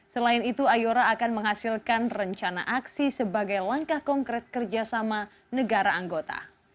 selain itu ayora akan menghasilkan rencana aksi sebagai langkah konkret kerjasama negara anggota